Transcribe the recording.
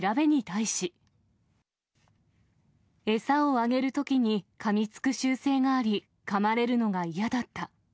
餌をあげるときにかみつく習性があり、かまれるのが嫌だった。